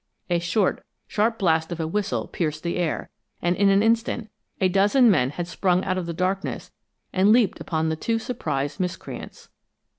A short, sharp blast of a whistle pierced the air, and in an instant a dozen men had sprung out of the darkness and leaped upon the two surprised miscreants.